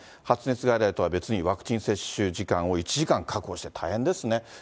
発熱外来とは別にワクチン接種時間を１時間確保して、大変ですね。